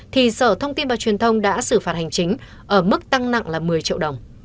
thì sở thông tin và truyền thông đã xử phạt hành chính ở mức tăng nặng là một mươi triệu đồng